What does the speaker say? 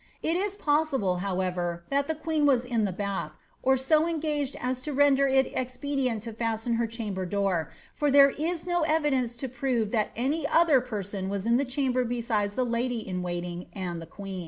It is possi ble, however, that the queen was in the bath, or so engaged as to ren der it expedient to fasten her chamber door, for there is no evidence to prove that any other person was in the chamber besides the lady in waiting and the queen.